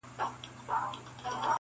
اه بې خود د اسمان ستوري په لړزه کړي,